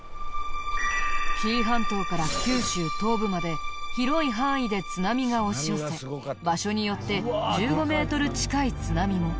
紀伊半島から九州東部まで広い範囲で津波が押し寄せ場所によって１５メートル近い津波も。